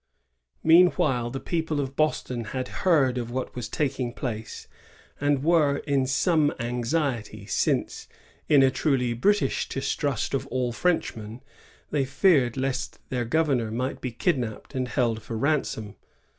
Meanwhile, the people of Boston had heard of what was taking place, and were in some anxiety, since, in a truly British distrust of all Frenchmen, they feared lest their governor might be kidnapped and held for ransom.